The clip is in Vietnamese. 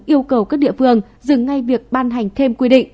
yêu cầu các địa phương dừng ngay việc ban hành thêm quy định